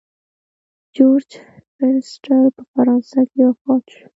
جورج فورسټر په فرانسه کې وفات شو.